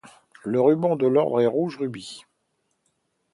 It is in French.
Le ruban de l'Ordre était rouge rubis.